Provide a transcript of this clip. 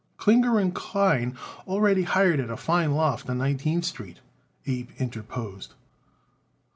"Klinger & Klein already hire it a fine loft on Nineteenth Street," Abe interposed.